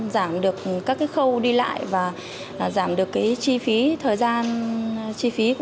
giảm được các khâu đi lại và giảm được chi phí